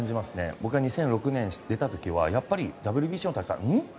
僕が２００６年に出た時はやっぱり、ＷＢＣの大会ん？